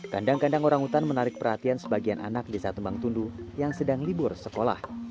kandang kandang orang hutan menarik perhatian sebagian anak desa tumbang tundu yang sedang libur sekolah